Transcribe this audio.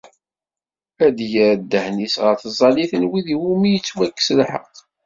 Ad d-yerr ddehn-is ɣer tẓallit n wid iwumi i yettwakkes lḥeqq.